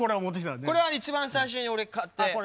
これは一番最初に俺買って。